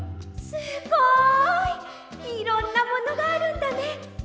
すごい！いろんなものがあるんだね！